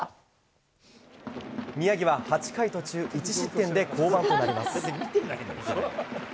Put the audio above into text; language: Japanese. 宮城は８回途中１失点で降板となります。